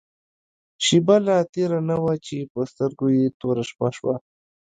شېبه لا تېره نه وه چې په سترګو يې توره شپه شوه.